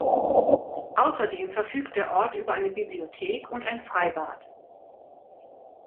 Außerdem verfügt der Ort über eine Bibliothek und ein Freibad.